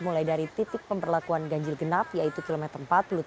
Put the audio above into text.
mulai dari titik pemberlakuan ganjil genap yaitu kilometer empat puluh tujuh